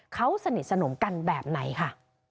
เขาสนิทสนมกันแบบไหนค่ะ